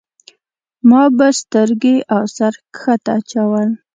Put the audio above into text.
ما به سترګې او سر ښکته اچول.